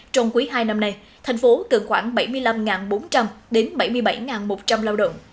trong quý hai năm nay thành phố cần khoảng bảy mươi năm bốn trăm linh đến bảy mươi bảy một trăm linh lao động